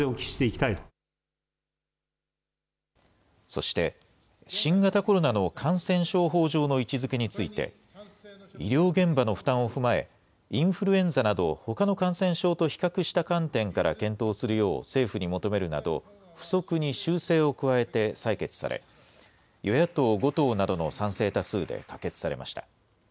そして、新型コロナの感染症法上の位置づけについて、医療現場の負担を踏まえ、インフルエンザなど、ほかの感染症と比較した観点から検討するよう政府に求めるなど、付則に修正を加えて採決され、与野党５党などの賛成多数で可決されました。